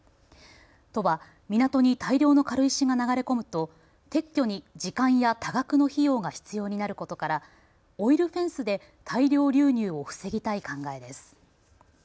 都は港に大量の軽石が流れ込むと撤去に時間や多額の費用が必要になることからオイルフェンスで大量流入を防ぎたい考えです。